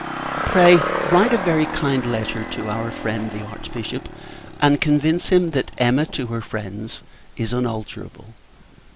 Pray, write a very kind letter to our friend the Archbishop; and convince him, that Emma, to her friends, is unalterable.